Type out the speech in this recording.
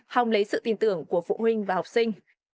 hòng lấy sự tin tưởng của phụ huynh và học sinh